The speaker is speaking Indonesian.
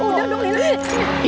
udah dong ini